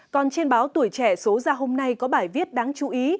còn trên báo tuổi trẻ số ra hôm nay có bài viết đáng chú ý